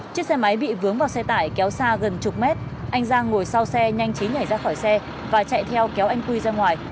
chiếc xe máy bị vướng vào xe tải kéo xa gần chục mét anh giang ngồi sau xe nhanh chí nhảy ra khỏi xe và chạy theo kéo anh quy ra ngoài